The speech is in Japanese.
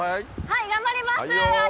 はい頑張ります！